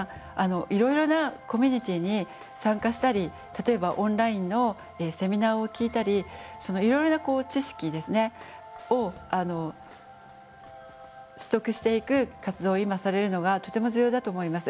いろいろなコミュニティーに参加したり例えばオンラインのセミナーを聴いたりいろいろな知識ですねを取得していく活動を今されるのがとても重要だと思います。